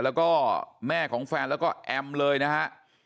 แล้วก็แม่ของแฟนแล้วก็แอมเลยนะฮะ